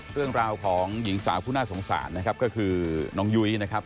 เรื่องราวของหญิงสาวผู้น่าสงสารนะครับก็คือน้องยุ้ยนะครับ